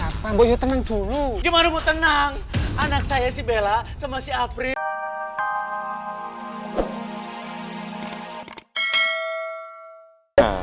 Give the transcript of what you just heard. apa apa ya tenang dulu gimana mau tenang anak saya si bella semuanya